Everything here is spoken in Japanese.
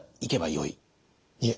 いえ。